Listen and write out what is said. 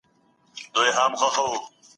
د تعليم حق بايد له هيچا ونه سپمول سي.